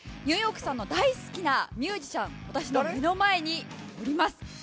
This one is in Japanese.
ニューヨークさんの大好きなミュージシャンが私の目の前におります。